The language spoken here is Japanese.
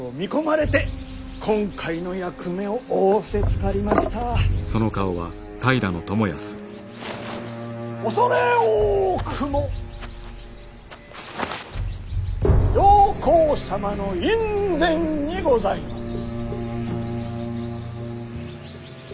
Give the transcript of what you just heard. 畏れ多くも上皇様の院宣にございます。